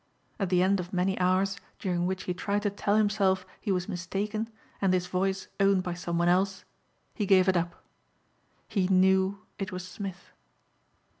At the end of many hours during which he tried to tell himself he was mistaken and this voice owned by someone else, he gave it up. He knew it was Smith.